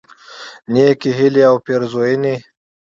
نیکی هیلی او پیرزوینی